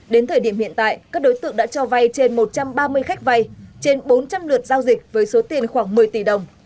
đến thời điểm hiện tại các đối tượng đã cho vay trên một trăm ba mươi khách vay trên bốn trăm linh lượt giao dịch với số tiền khoảng một mươi tỷ đồng